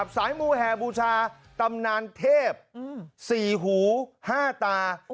สายมูแห่บูชาตำนานเทพ๔หู๕ตา